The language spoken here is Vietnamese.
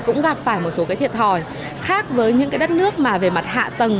cũng gặp phải một số thiệt hòi khác với những đất nước về mặt hạ tầng